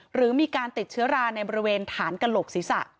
หรือมีการติดเชื้อราในบริเวณฐานกระโหลกศีรษะ